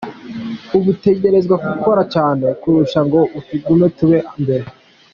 Ubu dutegerezwa gukora cane kurusha ngo tugume turi aba mbere.